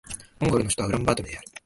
モンゴルの首都はウランバートルである